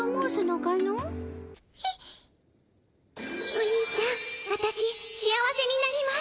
おにいちゃんわたし幸せになります。